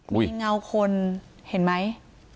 มีเงาคนเห็นไหม